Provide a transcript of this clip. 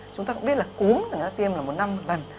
chúng ta cũng biết là cúm thì người ta tiêm là một năm một lần